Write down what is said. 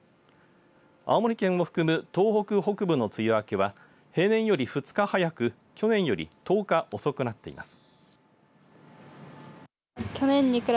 青森県を含む東北北部の梅雨明けは平年より２日早く、去年より１０日遅くなっています。